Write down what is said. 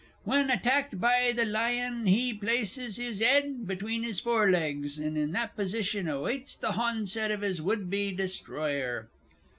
When hattacked by the Lion, he places his 'ed between his fore legs, and in that position awaits the honset of his would be destroyer.